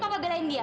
kamu mau berendah